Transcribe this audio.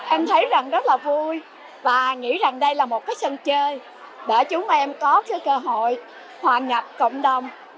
em thấy rất là vui và nghĩ rằng đây là một sân chơi để chúng em có cơ hội hòa nhập cộng đồng